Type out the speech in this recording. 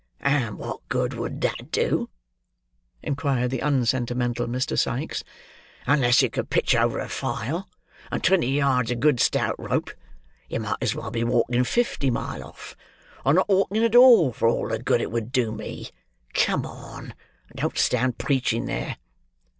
"And what good would that do?" inquired the unsentimental Mr. Sikes. "Unless you could pitch over a file and twenty yards of good stout rope, you might as well be walking fifty mile off, or not walking at all, for all the good it would do me. Come on, and don't stand preaching there."